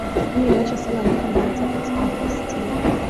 mimi ninachosema ni kwamba hata katika hao sitini